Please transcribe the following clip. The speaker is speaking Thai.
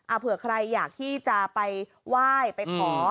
เผื่อใครอยากที่จะไปไหว้ไปขอ